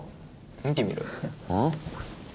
見てみろよああ？